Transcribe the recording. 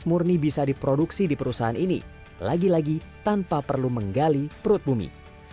murni bisa diproduksi di perusahaan ini lagi lagi tanpa perlu menggali perut bumi